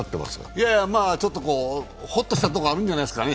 いやいや、ちょっとほっとしたとこあるんじゃないですかね。